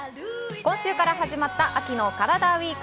今週から始まった秋のカラダＷＥＥＫ。